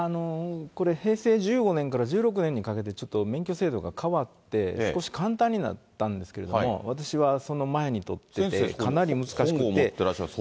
これ、平成１５年から１６年にかけて、ちょっと免許制度が変わって、少し簡単になったんですけれども、私はその前に取っていて、かなり難しくて。